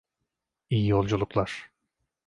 İyi yolculuklar.